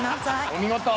お見事！